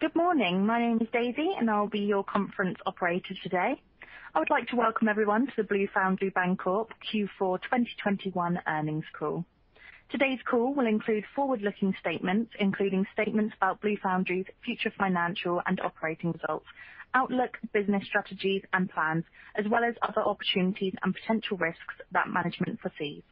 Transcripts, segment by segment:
Good morning. My name is Daisy, and I'll be your conference Operator today. I would like to welcome everyone to the Blue Foundry Bancorp Q4 2021 Earnings Call. Today's call will include forward-looking statements, including statements about Blue Foundry's future financial and operating results, outlook, business strategies and plans, as well as other opportunities and potential risks that management foresees.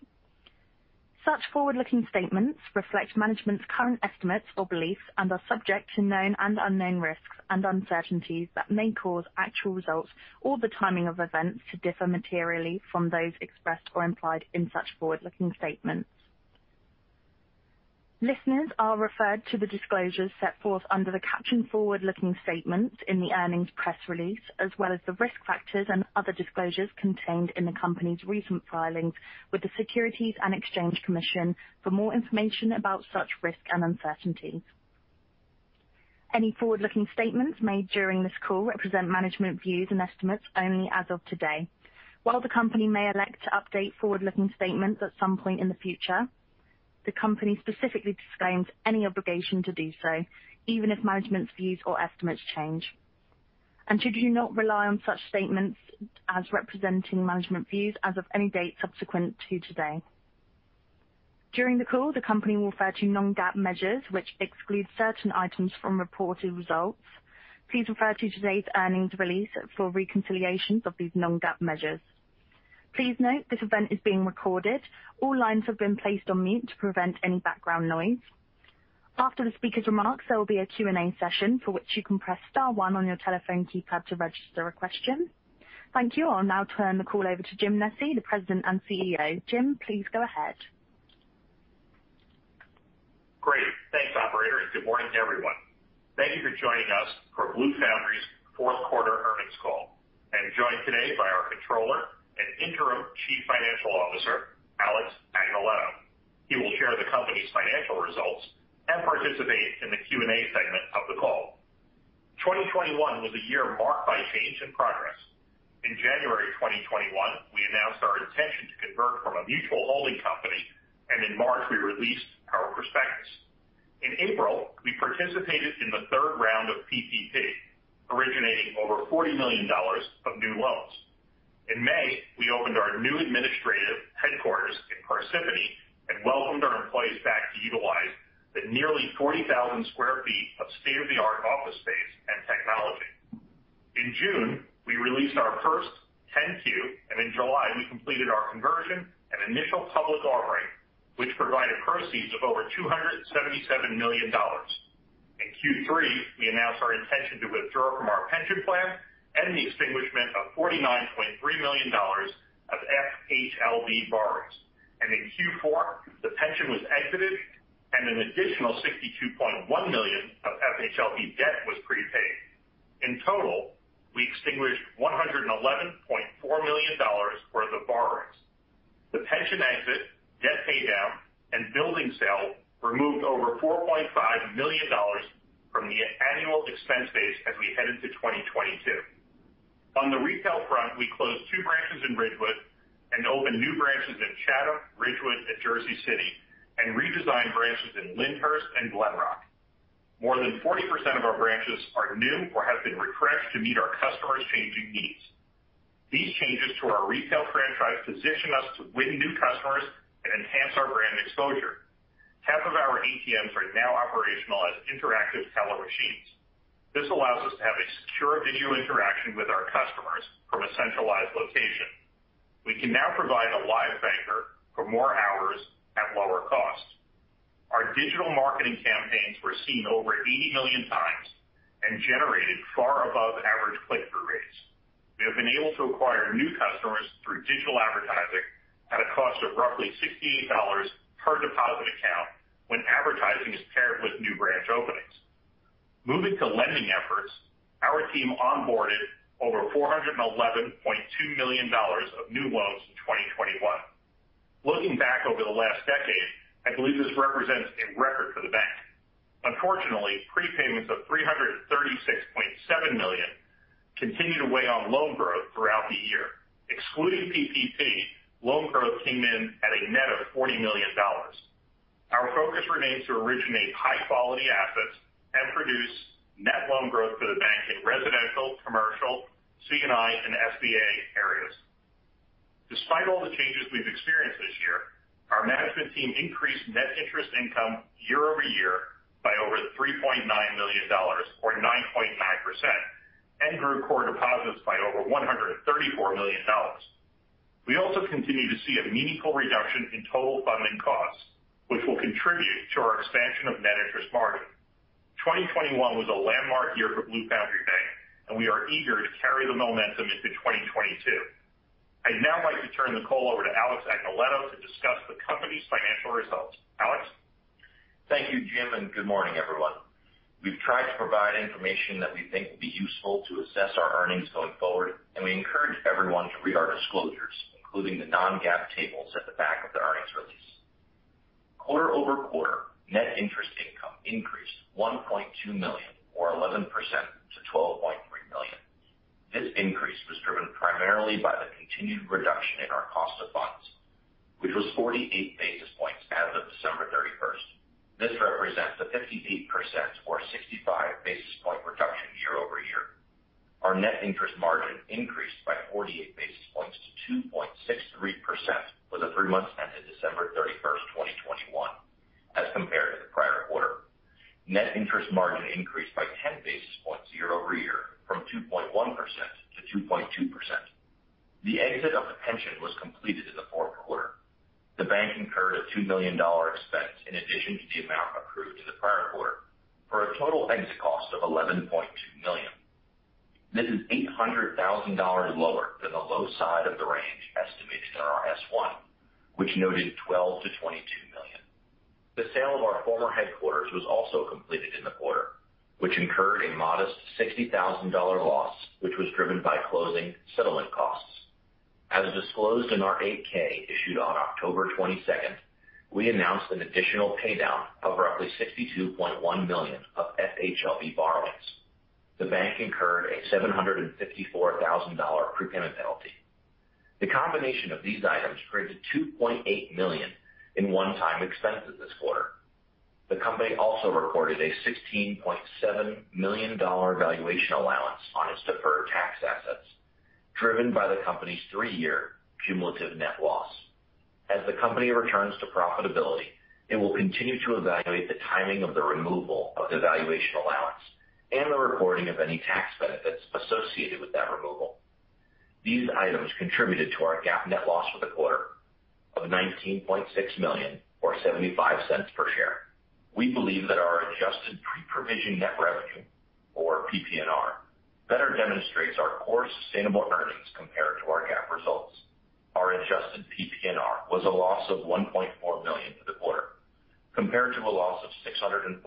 Such forward-looking statements reflect management's current estimates or beliefs and are subject to known and unknown risks and uncertainties that may cause actual results or the timing of events to differ materially from those expressed or implied in such forward-looking statements. Listeners are referred to the disclosures set forth under the caption forward-looking statements in the earnings press release, as well as the risk factors and other disclosures contained in the Company's recent filings with the Securities and Exchange Commission for more information about such risks and uncertainties. Any forward-looking statements made during this call represent management views and estimates only as of today. While the company may elect to update forward-looking statements at some point in the future, the company specifically disclaims any obligation to do so, even if management's views or estimates change. You should not rely on such statements as representing management views as of any date subsequent to today. During the call, the company will refer to non-GAAP measures which exclude certain items from reported results. Please refer to today's earnings release for reconciliations of these non-GAAP measures. Please note this event is being recorded. All lines have been placed on mute to prevent any background noise. After the speaker's remarks, there will be a Q&A session for which you can press star one on your telephone keypad to register a question. Thank you. I'll now turn the call over to Jim Nesci, the President and CEO. Jim, please go ahead. Great. Thanks, Operator, and good morning, everyone. Thank you for joining us for Blue Foundry's Fourth Quarter Earnings Call. I am joined today by our Controller and Interim Chief Financial Officer, Alex Agnoletto. He will share the company's financial results and participate in the Q&A segment of the call. 2021 was a year marked by change and progress. In January 2021, we announced our intention to convert from a mutual holding company, and in March, we released our prospectus. In April, we participated in the third round of PPP, originating over $40 million of new loans. In May, we opened our new administrative headquarters in Parsippany and welcomed our employees back to utilize the nearly 40,000 sq. ft. of state-of-the-art office space and technology. In June, we released our first 10-Q, and in July, we completed our conversion and initial public offering, which provided proceeds of over $277 million. In Q3, we announced our intention to withdraw from our pension plan and the extinguishment of $49.3 million of FHLB borrowings. In Q4, the pension was exited and an additional $62.1 million of FHLB debt was prepaid. In total, we extinguished $111.4 million worth of borrowings. The pension exit, debt paydown, and building sale removed over $4.5 million from the annual expense base as we head into 2022. On the retail front, we closed two branches in Ridgewood and opened new branches in Chatham, Ridgewood, and Jersey City, and redesigned branches in Lyndhurst and Glen Rock. More than 40% of our branches are new or have been refreshed to meet our customers' changing needs. These changes to our retail franchise position us to win new customers and enhance our brand exposure. Half of our ATMs are now operational as interactive teller machines. This allows us to have a secure video interaction with our customers from a centralized location. We can now provide a live banker for more hours at lower cost. Our digital marketing campaigns were seen over 80 million times and generated far above average click-through rates. We have been able to acquire new customers through digital advertising at a cost of roughly $16 per deposit account when advertising is paired with new branch openings. Moving to lending efforts. Our team onboarded over $411.2 million of new loans in 2021. Looking back over the last decade, I believe this represents a record for the bank. Unfortunately, prepayments of $336.7 million continued to weigh on loan growth throughout the year. Excluding PPP, loan growth came in at a net of $40 million. Our focus remains to originate high-quality assets and produce net loan growth for the bank in residential, commercial, C&I, and SBA areas. Despite all the changes we've experienced this year, our management team increased net interest income year over year by over $3.9 million or 9.9%, and grew core deposits by over $134 million. We also continue to see a meaningful reduction in total funding costs, which will contribute to our expansion of net interest margin. 2021 was a landmark year for Blue Foundry Bank, and we are eager to carry the momentum into 2022. I'd now like to turn the call over to Alex Agnoletto to discuss the company's financial results. Alex? Thank you, Jim, and good morning, everyone. We've tried to provide information that we think will be useful to assess our earnings going forward, and we encourage everyone to read our disclosures, including the non-GAAP tables at the back of the earnings release. Quarter-over-quarter, net interest income increased $1.2 million or 11%. Primarily by the continued reduction in our cost of funds, which was 48 basis points as of December 31. This represents a 58% or 65 basis point reduction year-over-year. Our net interest margin increased by 48 basis points to 2.63% for the three months ended December 31, 2021, as compared to the prior quarter. Net interest margin increased by 10 basis points year-over-year from 2.1% to 2.2%. The exit of the pension was completed in the fourth quarter. The bank incurred a $2 million expense in addition to the amount accrued in the prior quarter for a total exit cost of $11.2 million. This is $800,000 lower than the low side of the range estimated in our S-1, which noted $12 million-$22 million. The sale of our former headquarters was also completed in the quarter, which incurred a modest $60,000 loss, which was driven by closing settlement costs. As disclosed in our 8-K issued on October 22, we announced an additional pay down of roughly $62.1 million of FHLB borrowings. The bank incurred a $754,000 prepayment penalty. The combination of these items created $2.8 million in one-time expenses this quarter. The company also reported a $16.7 million valuation allowance on its deferred tax assets, driven by the company's three-year cumulative net loss. As the company returns to profitability, it will continue to evaluate the timing of the removal of the valuation allowance and the reporting of any tax benefits associated with that removal. These items contributed to our GAAP net loss for the quarter of $19.6 million or $0.75 per share. We believe that our adjusted pre-provision net revenue, or PPNR, better demonstrates our core sustainable earnings compared to our GAAP results. Our adjusted PPNR was a loss of $1.4 million for the quarter, compared to a loss of $647,000 in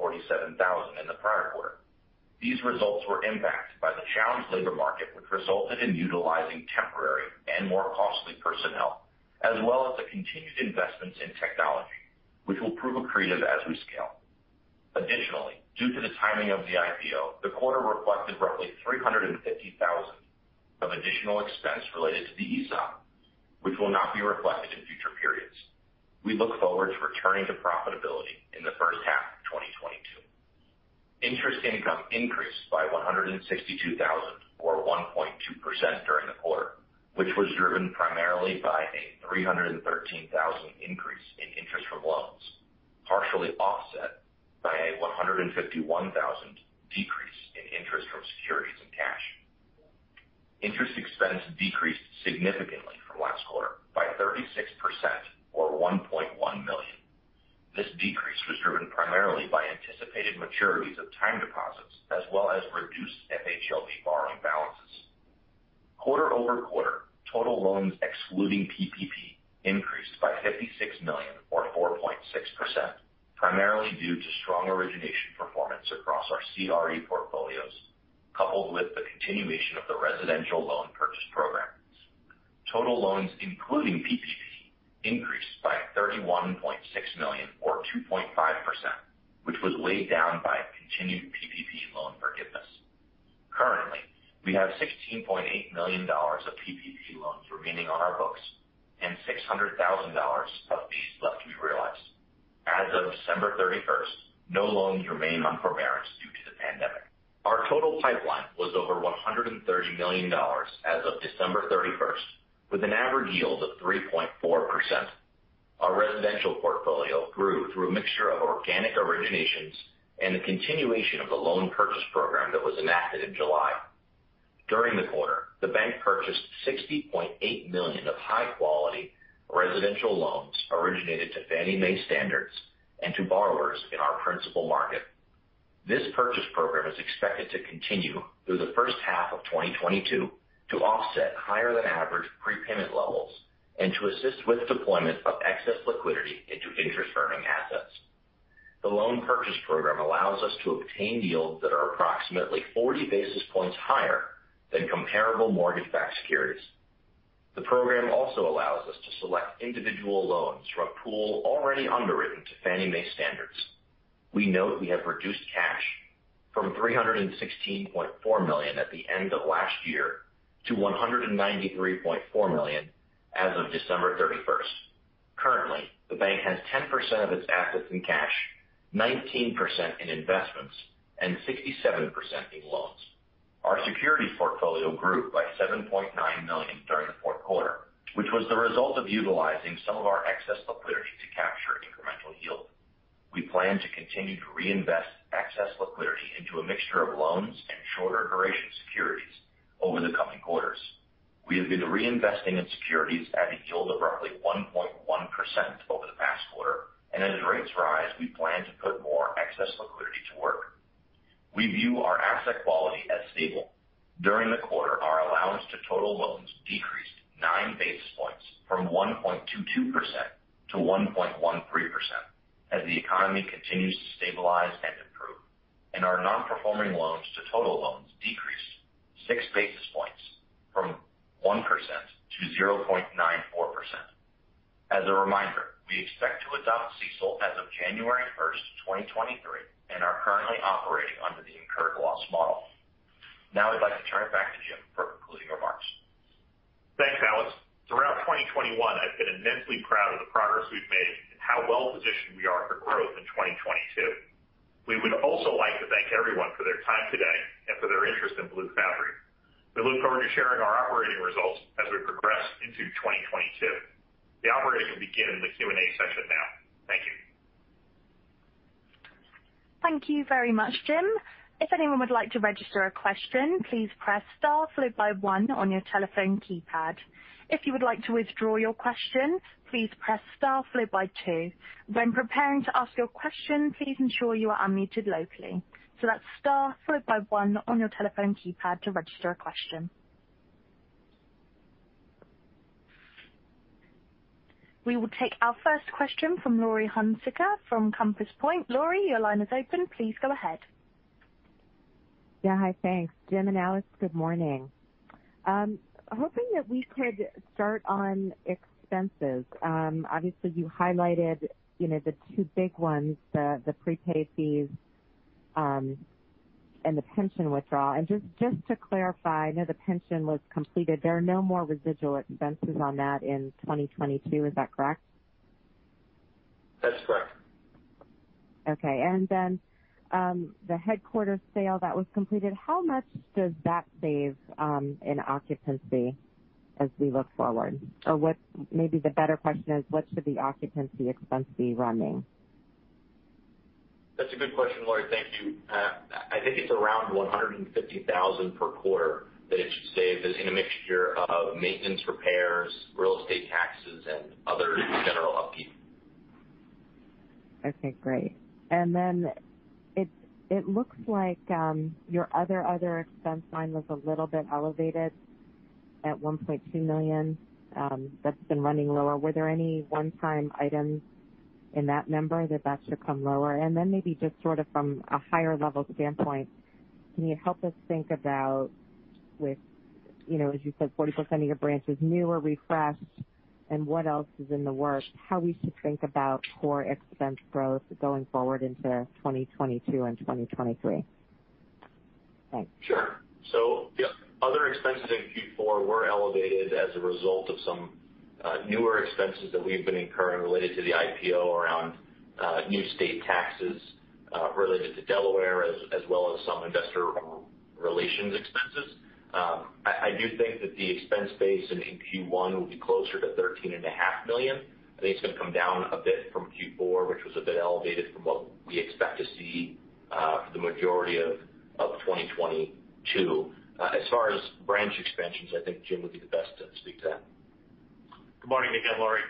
the prior quarter. These results were impacted by the challenged labor market, which resulted in utilizing temporary and more costly personnel, as well as the continued investments in technology which will prove accretive as we scale. Additionally, due to the timing of the IPO, the quarter reflected roughly $350,000 of additional expense related to the ESOP, which will not be reflected in future periods. We look forward to returning to profitability in the first half of 2022. Interest income increased by $162,000 or 1.2% during the quarter, which was driven primarily by a $313,000 increase in interest from loans, partially offset by a $151,000 decrease in interest from securities and cash. Interest expense decreased significantly from last quarter by 36% or $1.1 million. This decrease was driven primarily by anticipated maturities of time deposits as well as reduced FHLB borrowing balances. Quarter-over-quarter, total loans excluding PPP increased by $56 million or 4.6%, primarily due to strong origination performance across our CRE portfolios, coupled with the continuation of the residential loan purchase programs. Total loans including PPP increased by $31.6 million or 2.5%, which was weighed down by continued PPP loan forgiveness. Currently, we have $16.8 million of PPP loans remaining on our books and $600,000 of fees left to be realized. As of December 31, no loans remain on forbearance due to the pandemic. Our total pipeline was over $130 million as of December 31, with an average yield of 3.4%. Our residential portfolio grew through a mixture of organic originations and the continuation of the loan purchase program that was enacted in July. During the quarter, the bank purchased $60.8 million of high quality residential loans originated to Fannie Mae standards and to borrowers in our principal market. This purchase program is expected to continue through the first half of 2022 to offset higher than average prepayment levels and to assist with deployment of excess liquidity into interest earning assets. The loan purchase program allows us to obtain yields that are approximately 40 basis points higher than comparable mortgage-backed securities. The program also allows us to select individual loans from a pool already underwritten to Fannie Mae standards. We note we have reduced cash from $316.4 million at the end of last year to $193.4 million as of December 31st. Currently, the bank has 10% of its assets in cash, 19% in investments, and 67% in loans. Our securities portfolio grew by $7.9 million during the fourth quarter, which was the result of utilizing some of our excess liquidity to capture incremental yield. We plan to continue to reinvest excess liquidity into a mixture of loans and shorter duration securities over the coming quarters. We have been reinvesting in securities at a yield of roughly 1.1% over the past quarter, and as rates rise, we plan to put more excess liquidity to work. We view our asset quality as stable. During the quarter, our allowance to total loans decreased 9 basis points from 1.22% to 1.13% as the economy continues to stabilize and improve. Our non-performing loans to total loans decreased 6 basis points from 1% to 0.94%. As a reminder, we expect to adopt CECL as of January 1, 2023, and are currently operating under the incurred loss model. Now I'd like to turn it back to Jim for concluding remarks. Thanks, Alex. Throughout 2021, I've been immensely proud of the progress we've made and how well positioned we are for growth in 2022. We would also like to thank everyone for their time today and for their interest in Blue Foundry. We look forward to sharing our operating results as we progress into 2022. The Operator will begin the Q&A session now. Thank you. Thank you very much, Jim. If anyone would like to register a question, please press star followed by one on your telephone keypad. If you would like to withdraw your question, please press star followed by two. When preparing to ask your question, please ensure you are unmuted locally. That's star followed by one on your telephone keypad to register a question. We will take our first question from Laurie Hunsicker from Compass Point. Laurie, your line is open. Please go ahead. Yeah. Hi. Thanks, Jim and Alex. Good morning. Hoping that we could start on expenses. Obviously you highlighted, you know, the two big ones, the prepaid fees, and the pension withdrawal. Just to clarify, I know the pension was completed. There are no more residual expenses on that in 2022. Is that correct? That's correct. Okay. The headquarters sale that was completed, how much does that save in occupancy as we look forward? Or what maybe the better question is, what should the occupancy expense be running? That's a good question, Laurie. Thank you. I think it's around $150,000 per quarter that it should save. It's in a mixture of maintenance, repairs, real estate taxes, and other general upkeep. Okay, great. It looks like your other expense line was a little bit elevated at $1.2 million. That's been running lower. Were there any one-time items in that number that should come lower? Maybe just sort of from a higher level standpoint, can you help us think about with, you know, as you said, 40% of your branches new or refreshed and what else is in the works, how we should think about core expense growth going forward into 2022 and 2023? Thanks. Sure. The other expenses in Q4 were elevated as a result of some newer expenses that we've been incurring related to the IPO around new state taxes related to Delaware, as well as some investor relations expenses. I do think that the expense base in Q1 will be closer to $13.5 million. I think it's going to come down a bit from Q4, which was a bit elevated from what we expect to see for the majority of 2022. As far as branch expansions, I think Jim would be the best to speak to that. Good morning again, Laurie.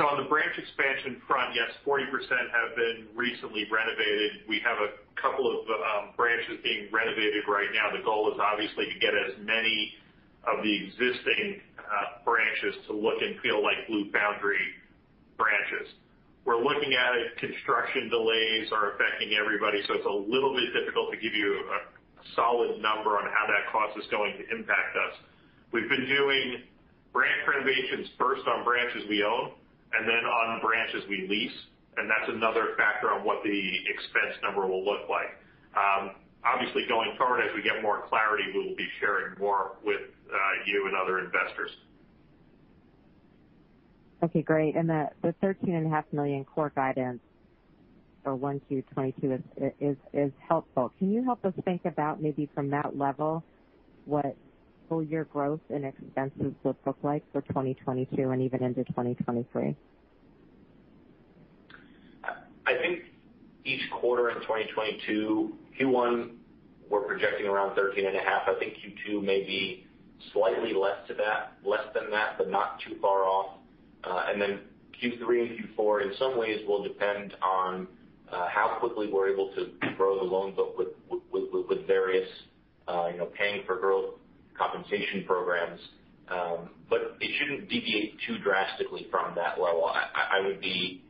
On the branch expansion front, yes, 40% have been recently renovated. We have a couple of branches being renovated right now. The goal is obviously to get as many of the existing branches to look and feel like Blue Foundry branches. We're looking at it. Construction delays are affecting everybody, so it's a little bit difficult to give you a solid number on how that cost is going to impact us. We've been doing branch renovations first on branches we own and then on branches we lease, and that's another factor on what the expense number will look like. Obviously going forward, as we get more clarity, we will be sharing more with you and other investors. Okay, great. The $13.5 million core guidance for 1Q 2022 is helpful. Can you help us think about maybe from that level, what full year growth and expenses would look like for 2022 and even into 2023? I think each quarter in 2022, Q1 we're projecting around $13.5 million. I think Q2 may be slightly less than that, but not too far off. Q3 and Q4 in some ways will depend on how quickly we're able to grow the loan book with various, you know, paying for growth compensation programs. It shouldn't deviate too drastically from that level. I would be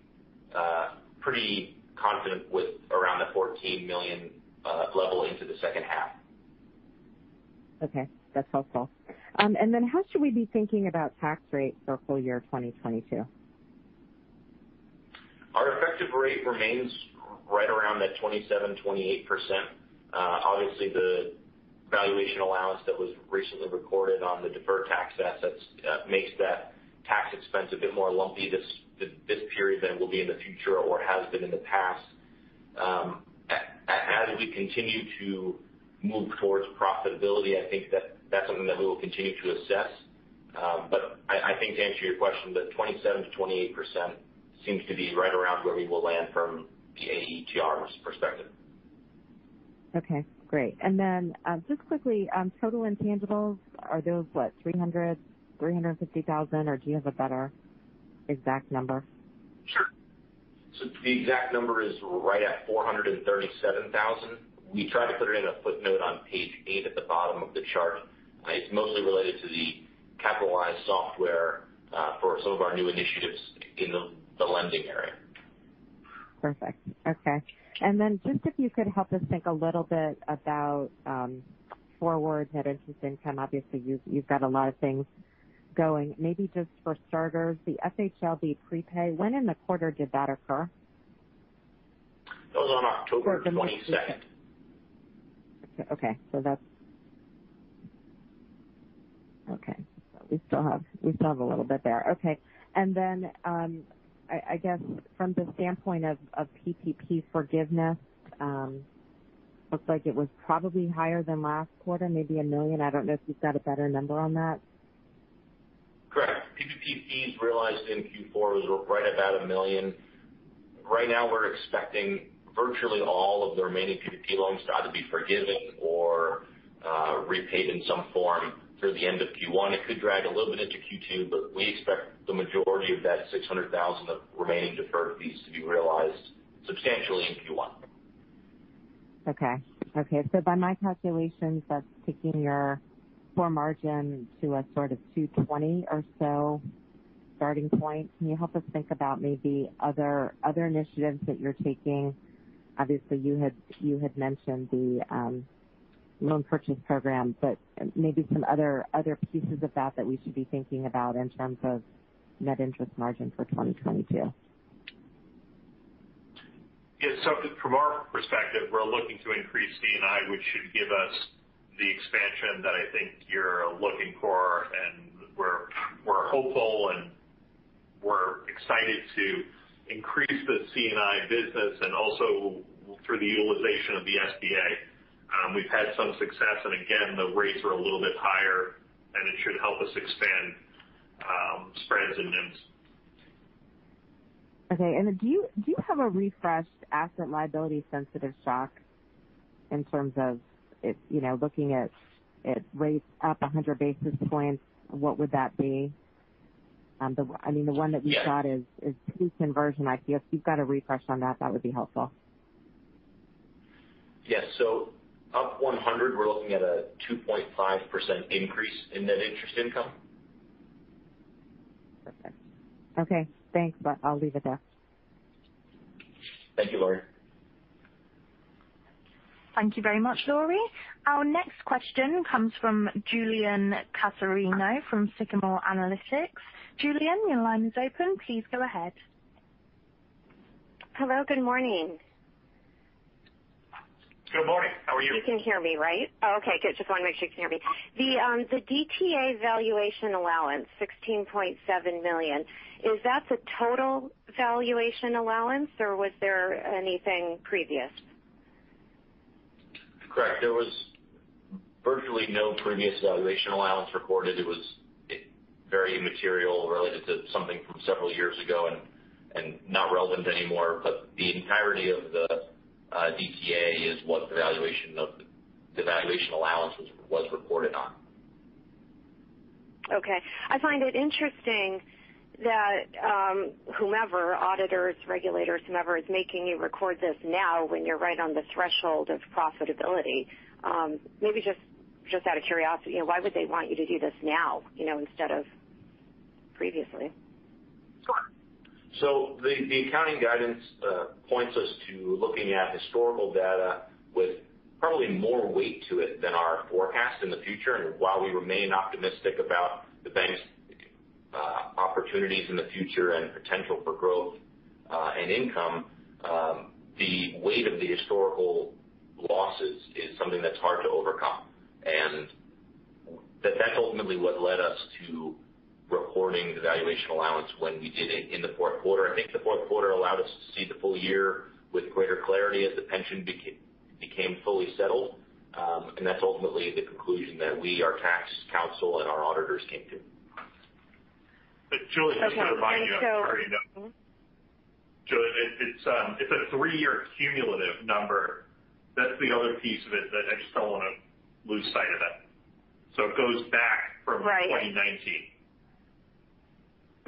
pretty confident with around the $14 million level into the second half. Okay. That's helpful. How should we be thinking about tax rates for full year 2022? Our effective rate remains right around that 27%-28%. Obviously, the valuation allowance that was recently recorded on the deferred tax assets makes that tax expense a bit more lumpy this period than it will be in the future or has been in the past. As we continue to move towards profitability, I think that's something that we will continue to assess. I think to answer your question that 27%-28% seems to be right around where we will land from the AETRs perspective. Okay, great. Just quickly, total intangibles, are those what, $350,000 or do you have a better exact number? Sure. The exact number is right at $437,000. We try to put it in a footnote on page 8 at the bottom of the chart. It's mostly related to the capitalized software for some of our new initiatives in the lending area. Perfect. Okay. Then just if you could help us think a little bit about forward net interest income. Obviously, you've got a lot of things going. Maybe just for starters, the FHLB prepay, when in the quarter did that occur? It was on October 22nd. We still have a little bit there. I guess from the standpoint of PPP forgiveness, looks like it was probably higher than last quarter, maybe $1 million. I don't know if you've got a better number on that. Correct. PPP fees realized in Q4 was right about $1 million. Right now, we're expecting virtually all of the remaining PPP loans to either be forgiven or, repaid in some form through the end of Q1. It could drag a little bit into Q2, but we expect the majority of that $600,000 of remaining deferred fees to be realized substantially in Q1. By my calculations, that's taking your core margin to a sort of 2.20% or so starting point. Can you help us think about maybe other initiatives that you're taking? Obviously, you had mentioned the loan purchase program, but maybe some other pieces of that that we should be thinking about in terms of net interest margin for 2022. Yeah. From our perspective, we're looking to increase C&I, which should give us the expansion that I think you're looking for. We're hopeful, and we're excited to increase the C&I business and also through the utilization of the SBA. We've had some success and again, the rates are a little bit higher, and it should help us expand, spreads and NIMs. Okay. Do you have a refreshed asset liability sensitive shock in terms of it, you know, looking at it rates up 100 basis points, what would that be? I mean, the one that we got is pre-conversion ICU. If you've got a refresh on that would be helpful. Yes. Up $100, we're looking at a 2.5% increase in net interest income. Perfect. Okay. Thanks. I'll leave it there. Thank you, Laurie. Thank you very much, Laurie. Our next question comes from Julienne Cassarino from Sycamore Analytics. Julienne, your line is open. Please go ahead. Hello. Good morning. Good morning. How are you? You can hear me, right? Oh, okay, good. Just want to make sure you can hear me. The DTA valuation allowance, $16.7 million, is that the total valuation allowance or was there anything previous? Correct. There was virtually no previous valuation allowance reported. It was very material related to something from several years ago and not relevant anymore. The entirety of the DTA is what the valuation allowance was reported on. Okay. I find it interesting that, whomever, auditors, regulators, whomever is making you record this now when you're right on the threshold of profitability. Maybe just out of curiosity, why would they want you to do this now, you know, instead of previously? Sure. The accounting guidance points us to looking at historical data with probably more weight to it than our forecast in the future. While we remain optimistic about the bank's opportunities in the future and potential for growth and income, the weight of the historical losses is something that's hard to overcome. That's ultimately what led us to reporting the valuation allowance when we did it in the fourth quarter. I think the fourth quarter allowed us to see the full year with greater clarity as the pension became fully settled. That's ultimately the conclusion that we, our tax counsel and our auditors came to. Julie, just to remind you of how you know. Julie, it's a three-year cumulative number. That's the other piece of it that I just don't want to lose sight of. It goes back from-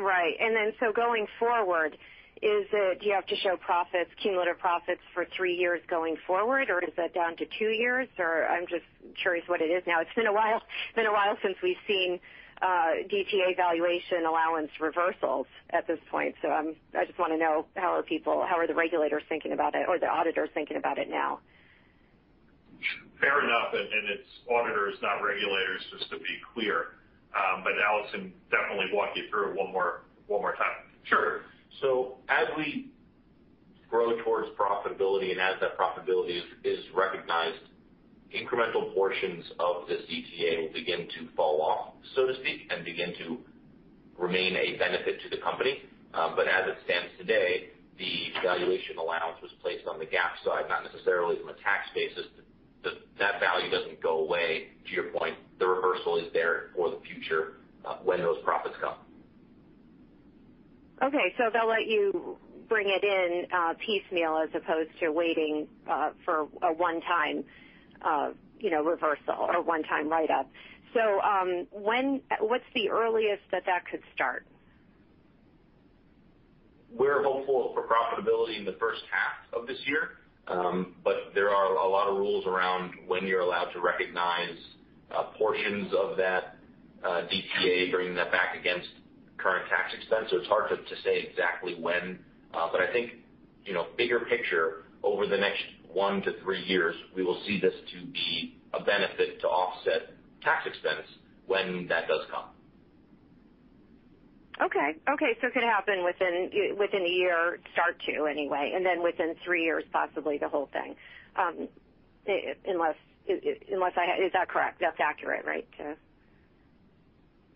Right. Twenty-nineteen. Right. Going forward, do you have to show profits, cumulative profits for three years going forward, or is that down to two years? I'm just curious what it is now. It's been a while since we've seen DTA valuation allowance reversals at this point. I just want to know how are the regulators thinking about it or the auditors thinking about it now? Fair enough. It's auditors, not regulators, just to be clear. Alex Agnoletto definitely walk you through it one more time. Sure. As we grow towards profitability and as that profitability is recognized, incremental portions of this DTA will begin to fall off, so to speak, and begin to remain a benefit to the company. As it stands today, the valuation allowance was placed on the GAAP side, not necessarily from a tax basis. That value doesn't go away. To your point, the reversal is there for the future, when those profits come. Okay. They'll let you bring it in piecemeal as opposed to waiting for a one-time you know reversal or one-time write-up. What's the earliest that could start? We're hopeful for profitability in the first half of this year. There are a lot of rules around when you're allowed to recognize portions of that DTA, bringing that back against current tax expense. It's hard to say exactly when. I think, you know, bigger picture, over the next 1-3 years, we will see this to be a benefit to offset tax expense when that does come. Okay. It could happen within a year, start to anyway, and then within three years, possibly the whole thing. Unless, is that correct? That's accurate, right?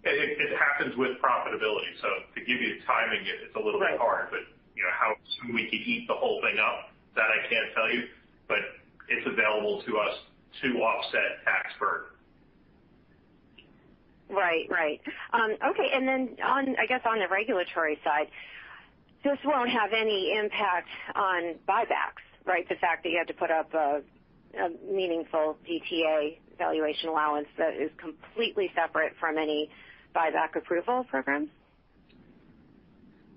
It happens with profitability. To give you timing, it's a little bit hard. Right. You know, how soon we could eat the whole thing up, that I can't tell you, but it's available to us to offset tax burden. Right. Okay. I guess on the regulatory side, this won't have any impact on buybacks, right? The fact that you had to put up a meaningful DTA valuation allowance that is completely separate from any buyback approval program.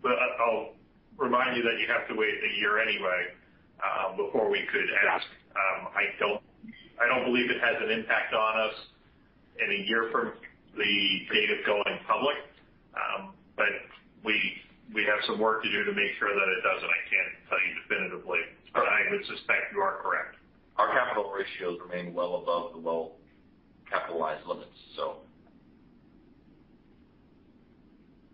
Well, I'll remind you that you have to wait a year anyway, before we could ask. Yeah. I don't believe it has an impact on us in a year from the date of going public. We have some work to do to make sure that it doesn't. I can't tell you definitively. All right. I would suspect you are correct. Our capital ratios remain well above the well-capitalized limits.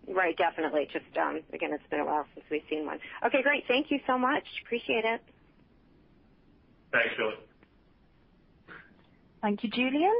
Right. Definitely. Just, again, it's been a while since we've seen one. Okay, great. Thank you so much. Appreciate it. Thanks, Julie. Thank you, Julienne.